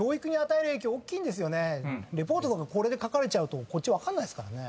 リポートとかこれで書かれちゃうとこっち分かんないですからね。